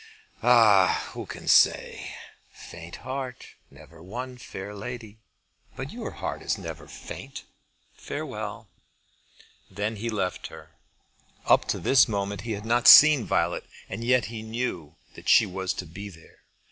"Ah! who can say?" "Faint heart never won fair lady. But your heart is never faint. Farewell." Then he left her. Up to this moment he had not seen Violet, and yet he knew that she was to be there.